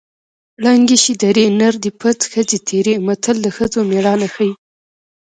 ړنګې شې درې نر دې پڅ ښځې تېرې متل د ښځو مېړانه ښيي